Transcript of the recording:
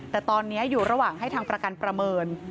แต่ตอนนี้อยู่ระหว่างให้ทางประกันประเมิน